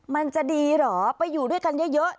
มันจะดีเหรอไปอยู่ด้วยกันเยอะ